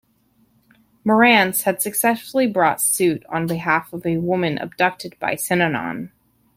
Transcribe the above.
Morantz had successfully brought suit on behalf of a woman abducted by Synanon.